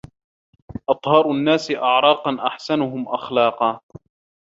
أطهر الناس أعراقاً أحسنهم أخلاقاً